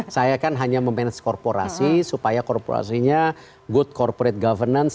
saya kan hanya memanage korporasi supaya korporasinya good corporate governance